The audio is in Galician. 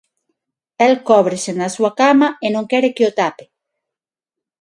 El cóbrese na súa cama, e non quere que o tape.